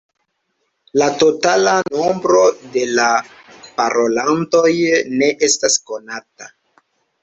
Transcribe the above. La totala nombro de la parolantoj ne estas konata.